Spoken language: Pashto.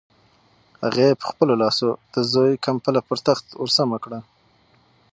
هغې په خپلو لاسو د زوی کمپله پر تخت ورسمه کړه.